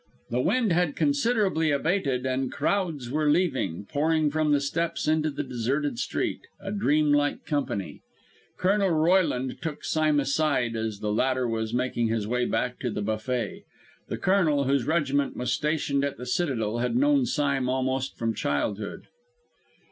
The wind had considerably abated, and crowds were leaving, pouring from the steps into the deserted street, a dreamlike company. Colonel Royland took Sime aside, as the latter was making his way back to the buffet. The Colonel, whose regiment was stationed at the Citadel, had known Sime almost from childhood.